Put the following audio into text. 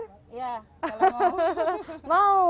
iya kalau mau